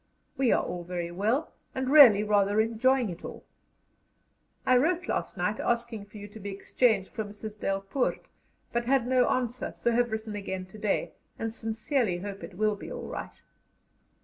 "We are all very well, and really rather enjoying it all. "I wrote last night asking for you to be exchanged for Mrs. Delpoort, but had no answer, so have written again to day, and sincerely hope it will be all right.